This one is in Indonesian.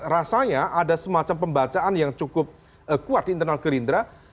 rasanya ada semacam pembacaan yang cukup kuat di internal gerindra